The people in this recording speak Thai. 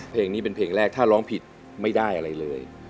เพลงนี้เป็นเพลงแรกถ้าร้องผิดไม่ได้อะไรเลย